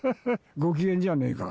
ご機嫌じゃねえか。